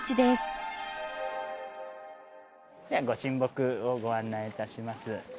では御神木をご案内致します。